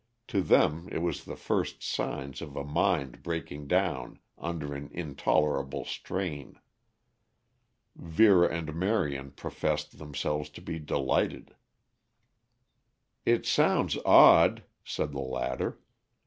To them it was the first signs of a mind breaking down under an intolerable strain. Vera and Marion professed themselves to be delighted. "It sounds odd," said the latter.